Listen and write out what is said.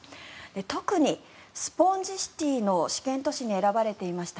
特にスポンジシティの試験都市に選ばれていました